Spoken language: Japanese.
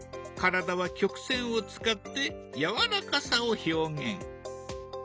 体は曲線を使ってやわらかさを表現。